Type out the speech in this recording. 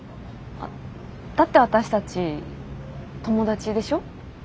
だって私たち友達でしょ。